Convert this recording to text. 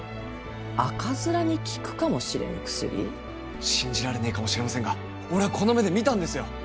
赤面に効くかもしれぬ薬？信じられねえかもしれませんが俺ぁこの目で見たんですよ！